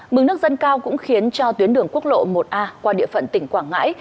mực nước dâng cao cũng khiến cho tuyến đường quốc lộ một a qua địa phận tỉnh quảng ngãi